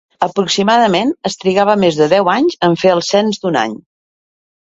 Aproximadament es trigava més de deu anys en fer el cens d’un any.